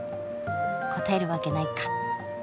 答えるわけないか。